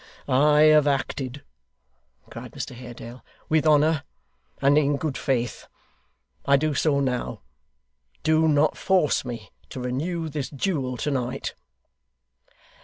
'I have acted,' cried Mr Haredale, 'with honour and in good faith. I do so now. Do not force me to renew this duel to night!